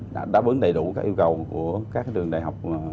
đã đáp ứng đầy đủ các yêu cầu của các trường đại học